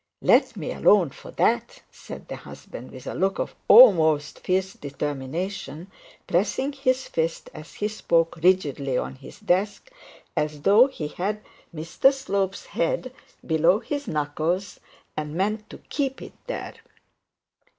'Let me alone for that,' said the husband, with a look of almost fierce determination, pressing his fist as he spoke rigidly on his desk, as though he had Mr Slope's head below his knuckles, and meant to keep it there.